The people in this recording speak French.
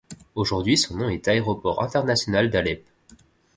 Aujourd'hui son nom est aéroport international d'Alep.